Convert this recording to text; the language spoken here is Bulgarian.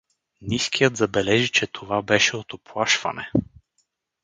Ниският забележи, че това беше от уплашване.